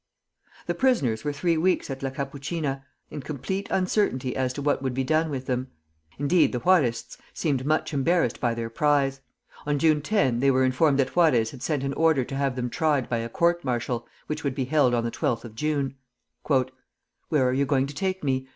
The prisoners were three weeks at La Capuchina, in complete uncertainty as to what would be done with them. Indeed, the Juarists seemed much embarrassed by their prize. On June 10 they were informed that Juarez had sent an order to have them tried by a court martial, which would be held on the 12th of June. "Where are you going to take me?"